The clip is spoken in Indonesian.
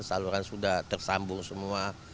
saluran sudah tersambung semua